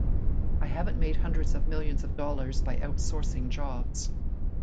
I haven't made hundreds of millions of dollars by outsourcing jobs.